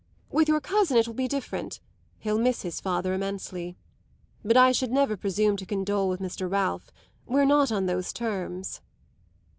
With your cousin it will be different; he'll miss his father immensely. But I should never presume to condole with Mr. Ralph; we're not on those terms."